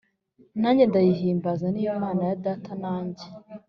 nanjye ndayihimbaza Ni yo Mana ya data nanjye